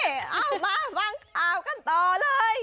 เอามาฟังข่าวกันต่อเลย